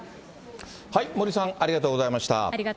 森さん、ありがとうございました。